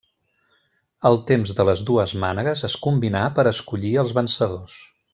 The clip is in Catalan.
El temps de les dues mànegues es combinà per escollir els vencedors.